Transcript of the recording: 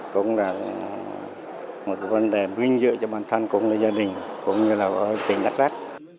cũng là một vấn đề minh dựa cho bản thân cũng là gia đình cũng như là tỉnh đắk lắk